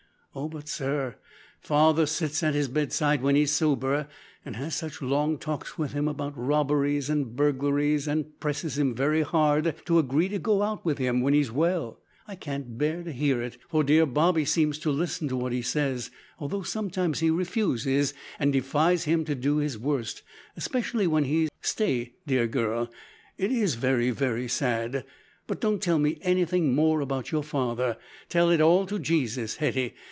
"Oh but, sir, father sits at his bedside when he's sober, an' has such long talks with him about robberies and burglaries, and presses him very hard to agree to go out with him when he's well. I can't bear to hear it, for dear Bobby seems to listen to what he says, though sometimes he refuses, and defies him to do his worst, especially when he " "Stay, dear girl. It is very very sad, but don't tell me anything more about your father. Tell it all to Jesus, Hetty.